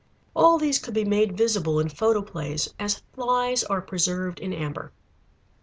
All these could be made visible in photoplays as flies are preserved in amber.